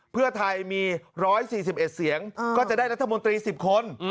เพื่อไทยมี๑๔๑เสียงก็จะได้รัฐมนตรี๑๐คน